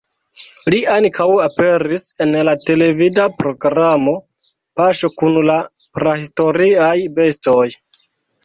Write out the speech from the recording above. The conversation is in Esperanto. Li ankaŭ aperis en la televida programo "Paŝo kun la prahistoriaj bestoj".